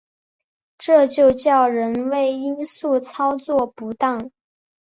这就叫人为因素操作不当